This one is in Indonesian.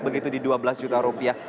begitu di dua belas juta rupiah